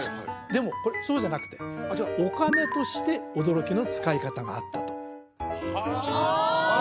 でもこれそうじゃなくてお金として驚きの使い方があったとはああ！